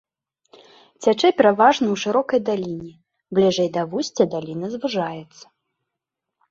Цячэ пераважна ў шырокай даліне, бліжэй да вусця даліна звужаецца.